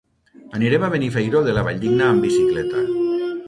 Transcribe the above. Anirem a Benifairó de la Valldigna amb bicicleta.